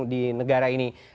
di negara ini